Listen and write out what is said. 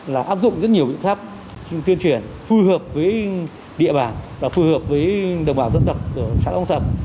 là áp dụng rất nhiều việc khác tiên triển phù hợp với địa bàn và phù hợp với đồng bào dân tộc của xã lóng sập